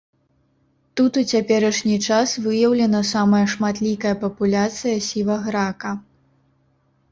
Тут у цяперашні час выяўлена самая шматлікая папуляцыя сіваграка.